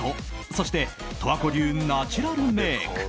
そして十和子流ナチュラルメイク。